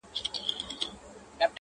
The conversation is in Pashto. هغوی د پېښي انځورونه اخلي,